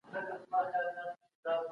ډوډې بې مالګې ده اخیر ولې.